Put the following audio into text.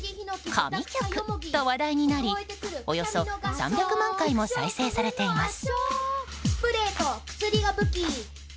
神曲！と話題になりおよそ３００万回も再生されています。